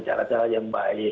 cara cara yang baik